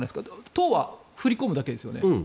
党は振り込むだけですよね。